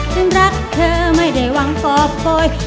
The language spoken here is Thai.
ฉันรักเธอไม่ได้หวังปอบคอย